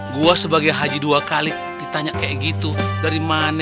gue sebagai haji dua kali ditanya kayak gitu dari mana